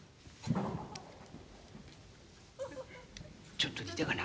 ちょっと出たかな？